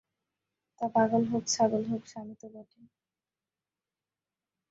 তা পাগল হোক, ছাগল হোক, স্বামী তো বটে।